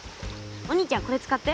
お兄ちゃんこれ使って！